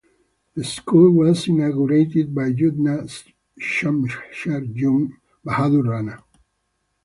The school was inaugurated by Juddha Shumsher Jung Bahadur Rana.